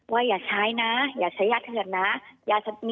ว่าอย่าใช้นะอย่าใช้เกินเยาะเติบเถิดนะ